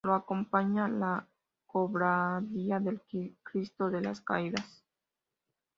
Lo acompaña la Cofradía del Cristo de las Caídas.